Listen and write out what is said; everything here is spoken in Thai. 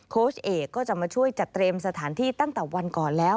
โค้ชเอกก็จะมาช่วยจัดเตรียมสถานที่ตั้งแต่วันก่อนแล้ว